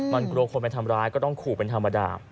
มันกลัวคนไปทำร้ายก็ต้องขู่เป็นธรรมดา